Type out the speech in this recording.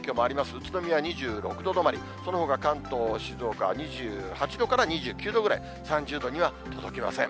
宇都宮２６度止まり、そのほか関東、静岡２８度から２９度ぐらい、３０度には届きません。